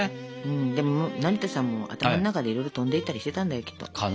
でも成田さんも頭の中でいろいろ飛んでいったりしてたんだよきっと。かな。